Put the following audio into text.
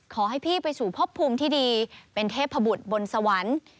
ขอให้พี่ไปสู่พบภูมิที่ดีเป็นเทพบุตรบนสวรรค์